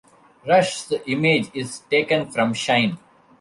Rush's image is taken from "Shine".